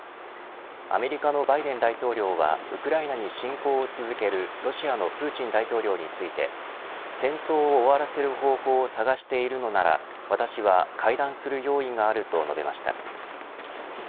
アメリカのバイデン大統領はウクライナに侵攻を続けるロシアのプーチン大統領について戦争を終わらせる方法を探しているのなら私は会談する用意があると述べました。